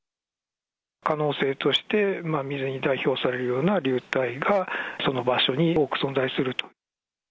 可能性として、水に代表されるような流体が、その場所に多く存在すると。